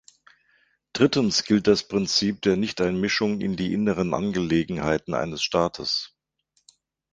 Drittens gilt das Prinzip der Nichteinmischung in die inneren Angelegenheiten eines Staates.